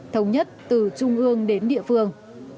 thống nhất từ trung ương đến địa phương